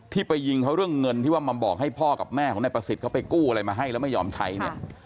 ไปยิงเขาเรื่องเงินที่ว่ามาบอกให้พ่อกับแม่ของนายประสิทธิ์เขาไปกู้อะไรมาให้แล้วไม่ยอมใช้เนี่ย